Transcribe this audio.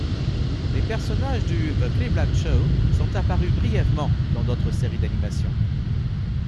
Les personnages du The Cleveland show sont apparus brièvement dans d'autres séries d'animations.